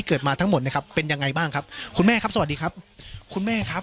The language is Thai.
ปกติพี่สาวเราเนี่ยครับเป็นคนเชี่ยวชาญในเส้นทางป่าทางนี้อยู่แล้วหรือเปล่าครับ